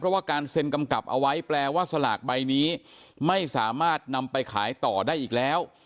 เพราะว่าการเซ็นกำกับเอาไว้แปลว่าสลากใบนี้ไม่สามารถนำไปขายต่อได้อีกแล้ว